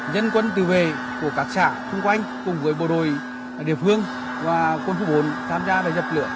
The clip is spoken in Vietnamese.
dân quân từ về của các xã xung quanh cùng với bộ đội địa phương và quân phú bồn tham gia và dập lửa